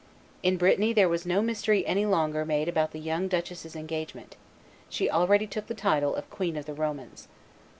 In Brittany there was no mystery any longer made about the young duchess's engagement; she already took the title of Queen of the Romans.